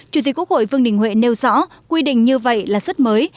chủ tịch quốc hội vương đình huệ nêu rõ quy định như vậy là rất mới